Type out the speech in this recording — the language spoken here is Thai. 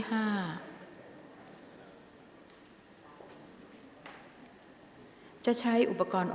ออกรางวัลเลขหน้า๓ตัวครั้งที่๒